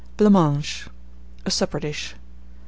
BLANC MANGE. (A Supper Dish.)